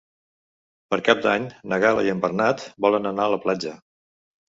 Per Cap d'Any na Gal·la i en Bernat volen anar a la platja.